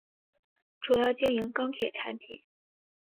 主要经营钢铁产品。